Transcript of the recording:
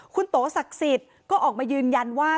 คุณโตสักศิษย์ก็ออกมายืนยันว่า